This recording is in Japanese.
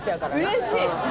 うれしい。